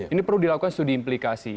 ini perlu dilakukan studi implikasi